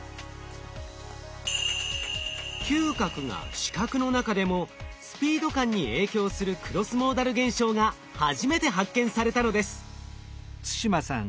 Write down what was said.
嗅覚が視覚の中でもスピード感に影響するクロスモーダル現象が初めて発見されたのです。